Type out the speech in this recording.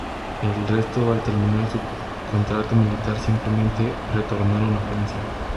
El resto, al terminar su contrato militar, simplemente retornaron a Francia.